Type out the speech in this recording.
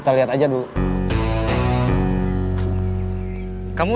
katanya gue parl seribu delapan ratus